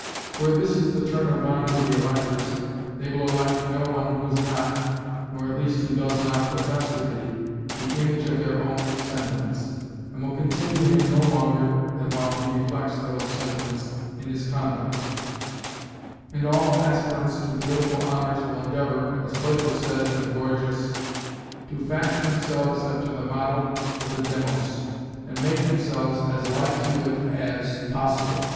Where this is the turn of mind of the electors, they will elect no one who is not, or at least who does not profess to be, the image of their own sentiments, and will continue him no longer than while he reflects those sentiments in his conduct; and all aspirants to political honors will endeavour, as Plato says in the Gorgias, to fashion themselves after the model of the Demos, and make themselves as like to it as possible.